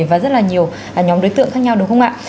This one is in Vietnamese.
và rất là nhiều nhóm đối tượng khác nhau đúng không ạ